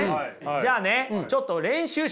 じゃあねちょっと練習しましょう。